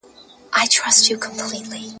حکومت نظم رامنځته کوي.